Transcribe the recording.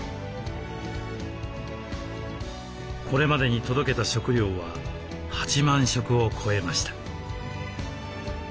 これまでに届けた食料は８万食を超えました。